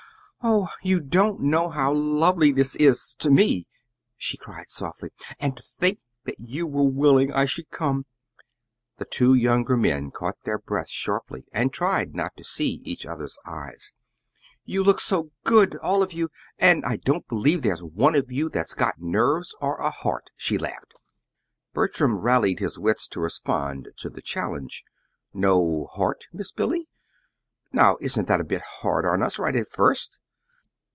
"Oh, you don't know how lovely this is to me," she cried softly. "And to think that you were willing I should come!" The two younger men caught their breath sharply, and tried not to see each other's eyes. "You look so good all of you; and I don't believe there's one of you that's got nerves or a heart," she laughed. Bertram rallied his wits to respond to the challenge. "No heart, Miss Billy? Now isn't that just a bit hard on us right at first?"